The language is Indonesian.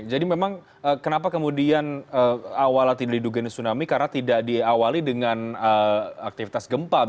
jadi memang kenapa kemudian awalnya tidak diduga tsunami karena tidak diawali dengan aktivitas gempa